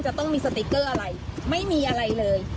จะต้องมีสติ๊กเกอร์อะไรไม่มีอะไรเลย